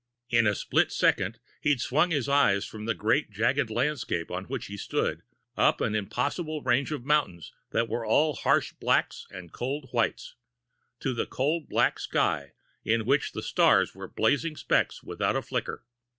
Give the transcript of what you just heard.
In a split second, he swung his eyes from the great, jagged landscape on which he stood, up an impossible range of mountains that were all harsh blacks and cold whites, to a cold black sky in which the stars were blazing specks without a flicker.